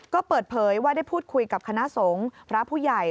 ก็เปิดเผยว่าได้พูดคุยกับคณะสงฆ์พระผู้ใหญ่